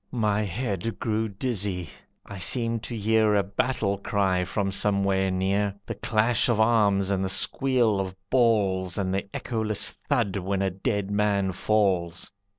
My head grew dizzy, I seemed to hear A battle cry from somewhere near, The clash of arms, and the squeal of balls, And the echoless thud when a dead man falls.